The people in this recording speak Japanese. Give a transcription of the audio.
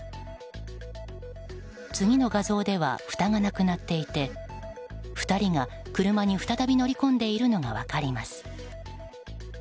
次の画像ではふたがなくなっていて２人が車に再び乗りこんでいるのが分かります。